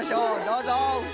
どうぞ！